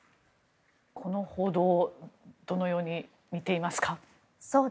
この報道どのように見ていますか。